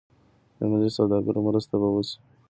د ملي سوداګرو مرسته به وشي.